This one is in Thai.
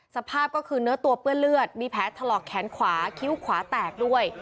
สภาพก็คือเนื้อตัวเปื้อนเลือดมีแผลถลอกแขนขวาคิ้วขวาแตกด้วย